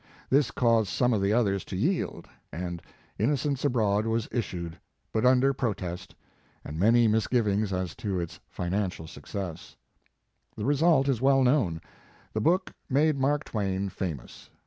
This caused some of the others to yield, and <( Inno cents Abroad" was issued, but under pro test, and many misgivings as to its finan cial success. The result is well known. The book made Mark Twain famous.